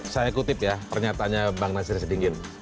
saya kutip ya pernyataannya bang nasir sedingin